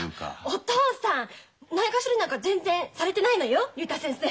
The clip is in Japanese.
お父さんないがしろになんか全然されてないのよ竜太先生。